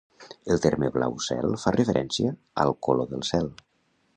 El terme blau cel fa referència al color del cel.